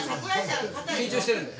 緊張してるんだよ。